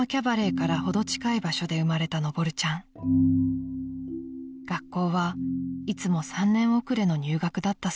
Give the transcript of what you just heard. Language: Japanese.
［学校はいつも３年遅れの入学だったそうです］